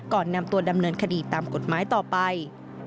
ก่อนนำตัวดำเนินคดีตามกฎหมายต่อไป